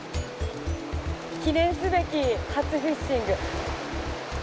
記念すべき初フィッシング。